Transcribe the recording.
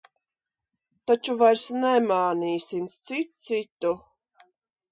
Taču vairs nemānīsim cits citu.